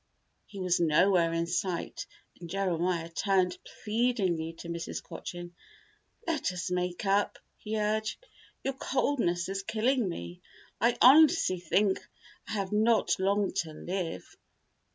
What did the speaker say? He was nowhere in sight and Jeremiah turned pleadingly to Mrs. Cochin. "Let us make up," he urged. "Your coldness is killing me. I honestly think I have not long to live."